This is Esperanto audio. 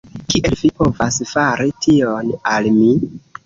Kiel vi povas fari tion al mi?